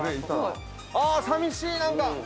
あさみしい何か。